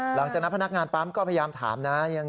หลังจากนั้นพนักงานปั๊มก็พยายามถามนะ